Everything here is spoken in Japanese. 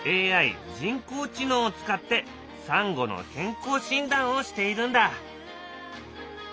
ＡＩ人工知能を使ってサンゴの健康診断をしているんだ。